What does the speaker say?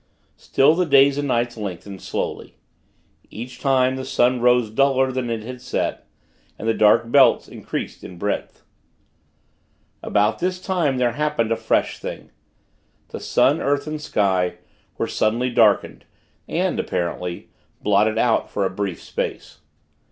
Still, the days and nights lengthened, slowly. Each time, the sun rose duller than it had set. And the dark belts increased in breadth. About this time, there happened a fresh thing. The sun, earth, and sky were suddenly darkened, and, apparently, blotted out for a brief space.